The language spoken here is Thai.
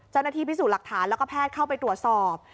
เจ้าหน้าที่พิสูจน์หลักฐานแล้วก็แพทย์เข้าไปตรวจสอบ